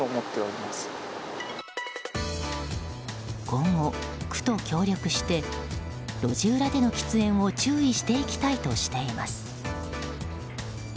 今後、区と協力して路地裏での喫煙を注意していきたいとしています。